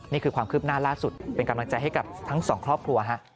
นี่คือความคืบหน้าล่าสุดเป็นกำลังใจให้กับทั้งสองครอบครัวฮะ